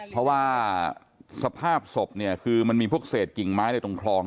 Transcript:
เพราะว่าสภาพศพเนี่ยคือมันมีพวกเศษกิ่งไม้ในตรงคลอง